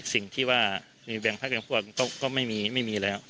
สิ่งที่ว่ามีแบ่งพระเกรงควรก็ไม่มีไม่มีแล้ว